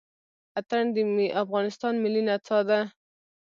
اتڼ د افغانستان ملي نڅا ده.